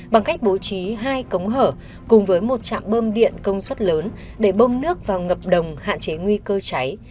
bằng cách bố trí hai cống hở cùng với một trạm bơm điện công suất lớn để bơm nước vào ngập đồng hạn chế nguy cơ cháy